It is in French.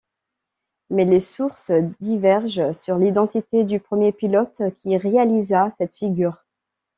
Mais les sources divergent sur l'identité du premier pilote qui réalisa cette figure.